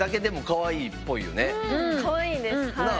かわいいです。なあ？